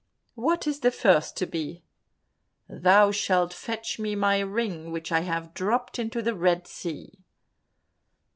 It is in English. "What is the first to be?" "Thou shalt fetch me my ring which I have dropped into the Red Sea."